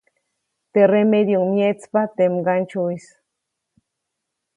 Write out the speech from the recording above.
Teʼ remedyuʼuŋ myeʼtspa teʼ mgandsyuʼis.